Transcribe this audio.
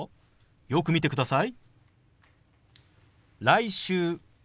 よく見てください。